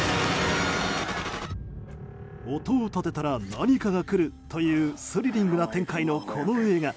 音を立てたら何かが来るというスリリングな展開の、この映画。